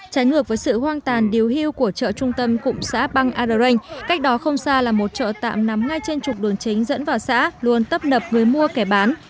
trái ngược với sự hoang tàn điều hưu của chợ trung tâm cụm xã băng ah cách đó không xa là một chợ tạm nằm ngay trên trục đường chính dẫn vào xã luôn tấp nập người mua kẻ bán